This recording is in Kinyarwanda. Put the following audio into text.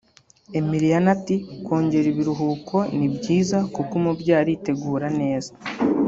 Emiliana ati” kongera ibiruhuko ni byiza kuko umubyeyi aritegura neza